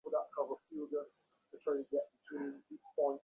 অভিযান চালাতে গেলে তারা কাপড় ছিঁড়ে এবং মাথা ফাটিয়ে বিজিবির দোষ দেয়।